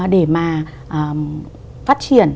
để mà phát triển